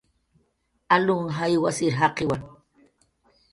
Alunh jay wasir jaqiwa